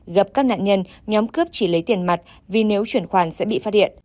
gặp các nạn nhân nhóm cướp chỉ lấy tiền mặt vì nếu chuyển khoản sẽ bị phát hiện